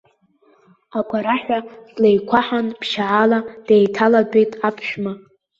Агәараҳәа длеиқәаҳан, ԥшьаала деиҭалатәеит аԥшәма.